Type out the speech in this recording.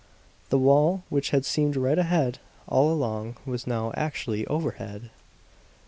The wall which had seemed right ahead, all along, was now actually overhead!